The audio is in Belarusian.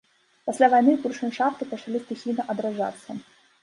Пасля вайны буршэншафты пачалі стыхійна адраджацца.